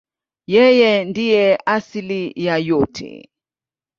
Yeye ndiye asili ya yote.